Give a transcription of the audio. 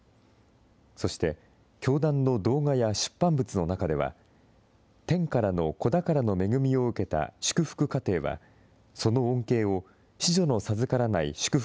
そして、教団の動画や出版物の中では、天からの子宝の恵みを受けた祝福家庭は、その恩恵を子女の授からない祝福